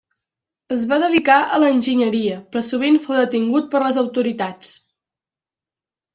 Es va dedicar a l'enginyeria però sovint fou detingut per les autoritats.